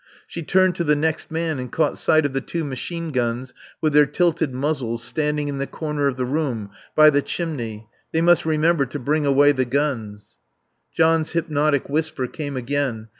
She turned to the next man and caught sight of the two machine guns with their tilted muzzles standing in the corner of the room by the chimney. They must remember to bring away the guns. John's hypnotic whisper came again.